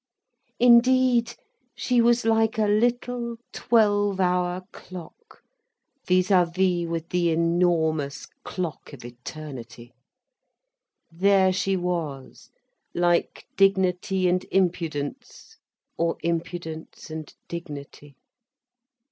Indeed, she was like a little, twelve hour clock, vis à vis with the enormous clock of eternity—there she was, like Dignity and Impudence, or Impudence and Dignity.